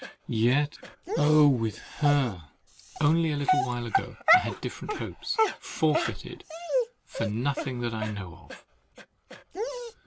Yet, oh! with her, only a little while ago, I had different hopes, forfeited for nothing that I know of!